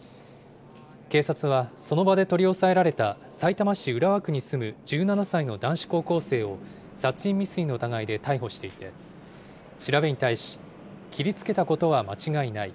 警察は、その場で取り押さえられた、さいたま市浦和区に住む１７歳の男子高校生を、殺人未遂の疑いで逮捕していて、調べに対し、切りつけたことは間違いない。